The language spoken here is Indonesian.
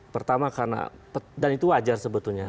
pertama karena dan itu wajar sebetulnya